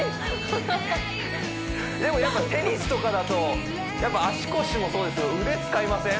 ハハハッでもやっぱテニスとかだと足腰もそうですけど腕使いません？